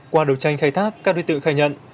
qua đấu tranh khai thác các đối tượng khai nhận